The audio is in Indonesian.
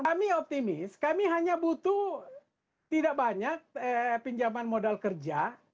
kami optimis kami hanya butuh tidak banyak pinjaman modal kerja